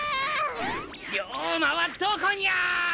龍馬はどこニャ！